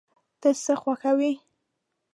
ته څه خوښوې؟